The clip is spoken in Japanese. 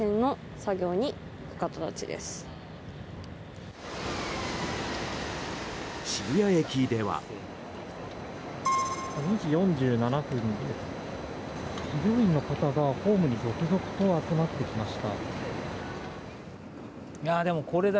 作業員の方がホームに続々と集まってきました。